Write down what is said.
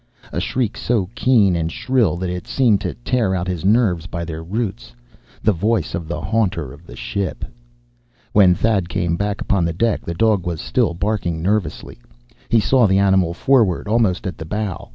A shriek so keen and shrill that it seemed to tear out his nerves by their roots. The voice of the haunter of the ship. When Thad came back upon the deck, the dog was still barking nervously. He saw the animal forward, almost at the bow.